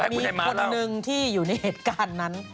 มีคนหนึ่งที่อยู่ในเหตุการณ์นั้น